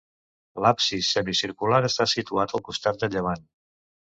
L'absis, semicircular està situat al costat de llevant.